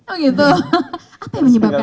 oh gitu apa yang menyebabkan